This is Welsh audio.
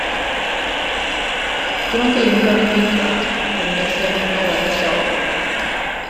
Dim ond un gwarchgeidwad oedd yn gallu ymadael ar y tro.